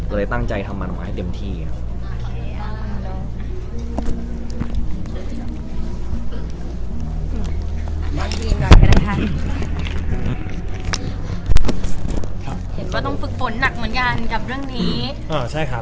เห็นกต้องหนักหมอนยานกับเรื่องนี้อ่าใช่ค่ะ